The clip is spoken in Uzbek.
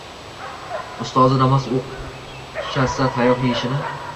Ustozi namoz o'qshasa tayoq yeyishini